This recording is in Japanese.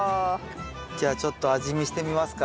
じゃあちょっと味見してみますか。